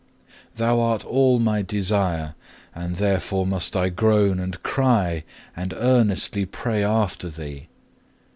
Thou art all my desire, and therefore must I groan and cry and earnestly pray after Thee.